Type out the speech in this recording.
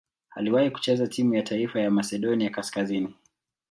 Aliwahi kucheza timu ya taifa ya Masedonia Kaskazini.